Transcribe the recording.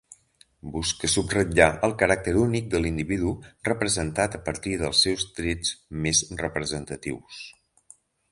Busca subratllar el caràcter únic de l'individu representat a partir dels seus trets més representatius.